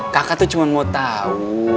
kakak tuh cuma mau tahu